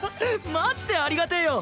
マジでありがてぇよ！